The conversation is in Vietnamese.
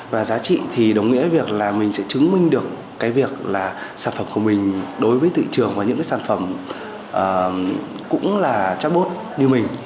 và giá trị thì đồng nghĩa việc là mình sẽ chứng minh được cái việc là sản phẩm của mình đối với thị trường và những cái sản phẩm cũng là chatbot như mình